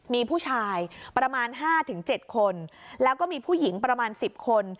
มีผู้ชายประมาณ๕๗คนแล้วก็มีผู้หญิงประมาณ๑๐คน